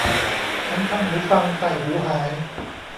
ฉันทำหูฟังใส่หูหาย